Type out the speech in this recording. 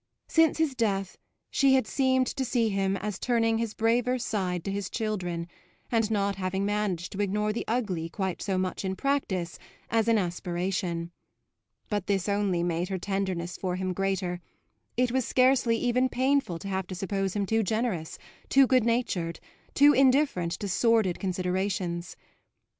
Since his death she had seemed to see him as turning his braver side to his children and as not having managed to ignore the ugly quite so much in practice as in aspiration. But this only made her tenderness for him greater; it was scarcely even painful to have to suppose him too generous, too good natured, too indifferent to sordid considerations.